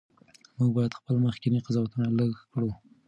موږ باید خپل مخکني قضاوتونه لږ کړو.